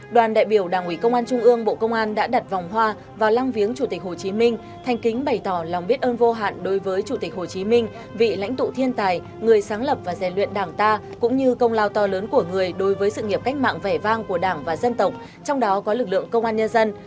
đoàn đại biểu đảng ủy công an trung ương bộ công an đã đặt vòng hoa vào lăng viếng chủ tịch hồ chí minh thanh kính bày tỏ lòng biết ơn vô hạn đối với chủ tịch hồ chí minh vị lãnh tụ thiên tài người sáng lập và dè luyện đảng ta cũng như công lao to lớn của người đối với sự nghiệp cách mạng vẻ vang của đảng và dân tộc trong đó có lực lượng công an nhân dân